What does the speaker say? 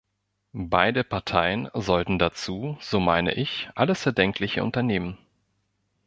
Beide Parteien sollten dazu, so meine ich, alles Erdenkliche unternehmen.